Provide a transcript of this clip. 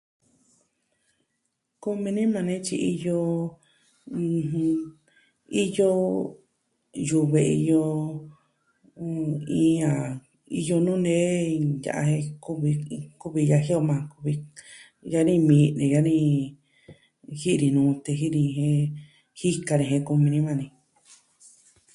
Kumi ni maa ni tyi iyo, iyo yuve iyo, iin a iyo nuu nee ya'a jen... kuvi yaji o majan, kuvi yani mi'ne yani... ji'i ni nute, ji'i ni jika ni jen kumi ni maa ni.